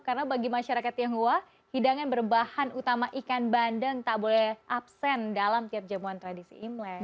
karena bagi masyarakat yang luar hidangan berbahan utama ikan bandeng tak boleh absen dalam tiap jamuan tradisi imlek